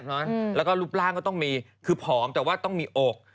แล้วก็รูปร่างก็ต้องมีคือผอมแต่ว่าต้องมีอก